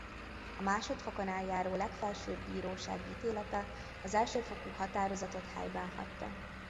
A másodfokon eljáró Legfelsőbb Bíróság ítélete az elsőfokú határozatot helyben hagyta.